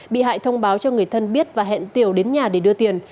bị hại thông báo cho người thân biết và hẹn tiểu đến nhà để đưa tiền